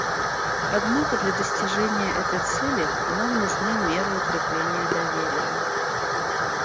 Однако для достижения этой цели нам нужны меры укрепления доверия.